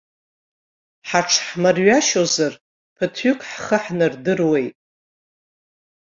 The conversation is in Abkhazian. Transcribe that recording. Ҳаҽҳмырҩашьозар, ԥыҭҩык ҳхы ҳнардыруеит.